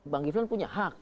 bang kiflan punya hak